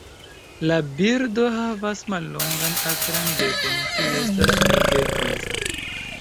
La birdo havas mallongan akran bekon, kiu estas nigre-griza.